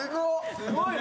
すごいね。